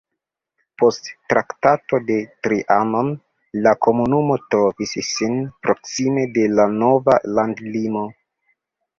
Post Traktato de Trianon la komunumo trovis sin proksime de la nova landlimo.